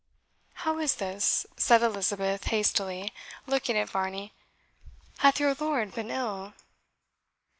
"How is this?" said Elizabeth hastily, looking at Varney; "hath your lord been ill?"